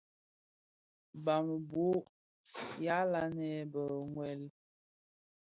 Bàb bôg yàa lanën bi ngüel.